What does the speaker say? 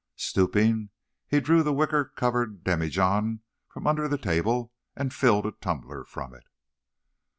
Stooping, he drew the wicker covered demijohn from under the table, and filled a tumbler from it.